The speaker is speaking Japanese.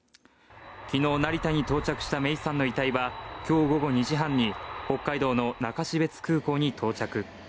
昨日、成田に到着した芽生さんの遺体は今日午後２時半に北海道の中標津空港に到着。